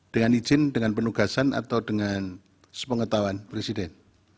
dengan izin dengan penugasan atau dengan sepengetahuan presiden